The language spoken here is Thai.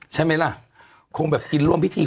ใช่ไหมล่ะคงแบบกินร่วมพิธี